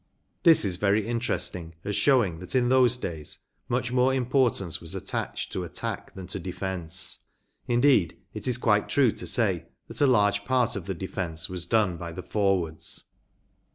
This is very interesting as showing that in those days much more im¬ portance was attached to attack than to defence. Indeed, it is quite true to say that a large part of the defence was done by the forwards.